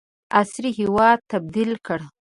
عصري هیواد تبدیل کړ.